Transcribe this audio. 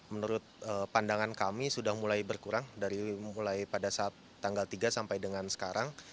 menurut pandangan kami sudah mulai berkurang dari mulai pada saat tanggal tiga sampai dengan sekarang